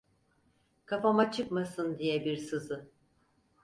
Kafama çıkmasın diye bir sızı.